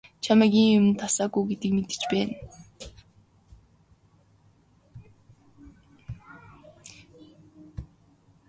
Чамайг ийм юманд дасаагүй гэдгийг мэдэж байна.